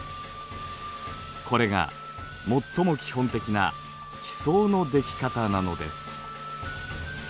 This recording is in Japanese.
これが最も基本的な地層のでき方なのです。